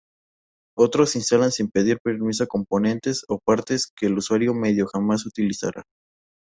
Otros instalan sin pedir permiso componentes o partes que el usuario medio jamás utilizará.